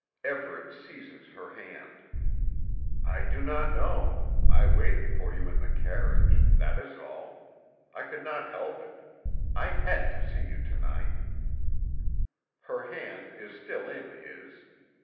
Everet seizes her hand. "I do not know. I waited for you in the carriage. That is all. I could not help it. I had to see you again to night." Her hand is still in his.